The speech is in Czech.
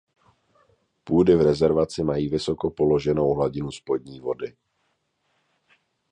Půdy v rezervaci mají vysoko položenou hladinu spodní vody.